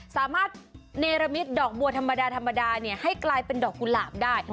สามารถเนรมิตดอกบัวธรรมดาธรรมดาให้กลายเป็นดอกกุหลาบได้